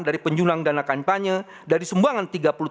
dari penyulang dana kampanye dari sumbangan tiga puluh tiga miliar tersebut